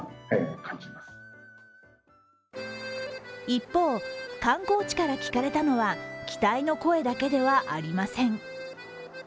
一方、観光地から聞かれたのは期待の声だけではありません。